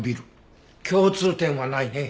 共通点はないね。